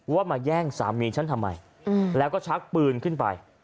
ว่ามาแย่งสามีฉันทำไมแล้วก็ชักปืนขึ้นไป